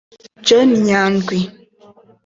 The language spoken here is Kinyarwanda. John Nyandwi